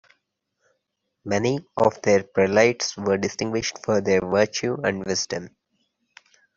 Many of their prelates were distinguished for their virtue and wisdom.